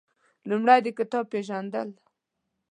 لومړی د کتاب پېژندل